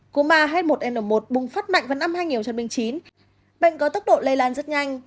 cúm ah một n một bùng phát mạnh vào năm hai nghìn chín bệnh có tốc độ lây lan rất nhanh